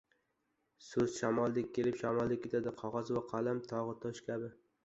• So‘z shamoldek kelib, shamoldek ketadi; qog‘oz va qalam — tog‘u tosh kabi.